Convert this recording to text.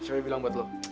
semua yang bilang buat lu